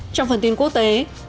trong phần tin quốc tế